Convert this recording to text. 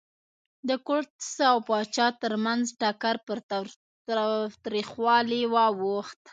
د کورتس او پاچا ترمنځ ټکر پر تاوتریخوالي واوښت.